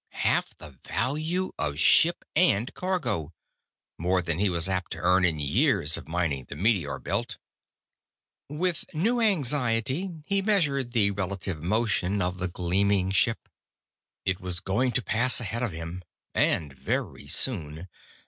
Half the value of ship and cargo! More than he was apt to earn in years of mining the meteor belt. With new anxiety, he measured the relative motion of the gleaming ship. It was going to pass ahead of him. And very soon.